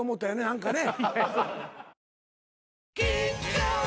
何かね。